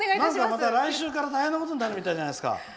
また来週から大変なことになるみたいじゃないですか。